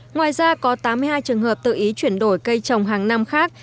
ngoài ra có tám mươi hai trường hợp tự ý chuyển đổi cây trồng hàng năm khác